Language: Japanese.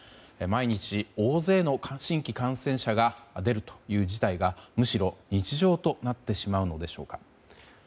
毎日、大勢の新規感染者が出るという事態がむしろ日常となってしまうのでしょうか。